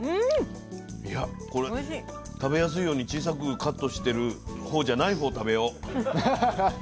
いやこれ食べやすいように小さくカットしてる方じゃない方食べよう。